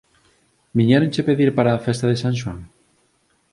Viñéronche pedir para a festa de San Xoán?